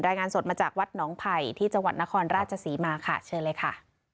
รายงานสดมาจากวัดหนองไผ่ที่จังหวัดนครราชศรีมาค่ะเชิญเลยค่ะ